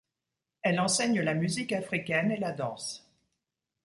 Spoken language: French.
Elle enseigne la musique africaine et la danse.